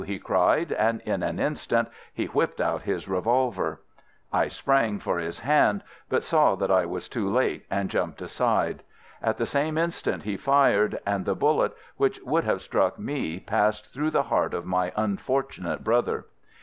he cried, and in an instant he whipped out his revolver. I sprang for his hand, but saw that I was too late, and jumped aside. At the same instant he fired, and the bullet which would have struck me passed through the heart of my unfortunate brother.